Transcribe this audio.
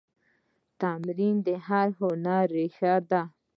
تمرین د هر هنر ریښه ده.